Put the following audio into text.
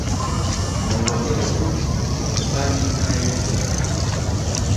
No wojere foti nun balli mayre fotata.